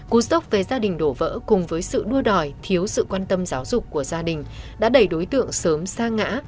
cú sốc về gia đình đổ vỡ cùng với sự đua đòi thiếu sự quan tâm giáo dục của gia đình đã đẩy đối tượng sớm xa ngã